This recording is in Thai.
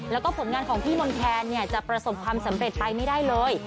แล้วก็ผลงานของพี่มนต์แคนจะประสบความสำเร็จไปไม่ได้เลย